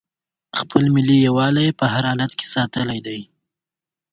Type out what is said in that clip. خپل ملي یووالی یې په هر حالت کې ساتلی دی.